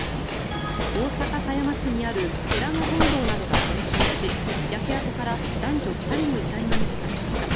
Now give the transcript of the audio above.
大阪狭山市にある寺の本堂などが全焼し焼け跡から男女２人の遺体が見つかりました。